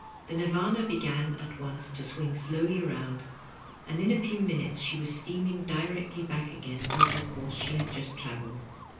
The Nirvcma began at once to swing slowly round, and in a few minutes she was steaming directly back again over the course she had just traveled.